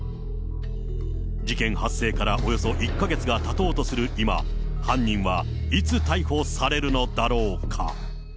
事件発生からおよそ１か月がたとうとする今、犯人はいつ逮捕されるのだろうか。